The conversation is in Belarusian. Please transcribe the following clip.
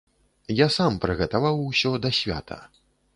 Я сам прыгатаваў усё да свята.